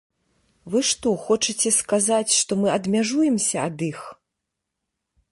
Вы што, хочаце сказаць, што мы адмяжуемся ад іх?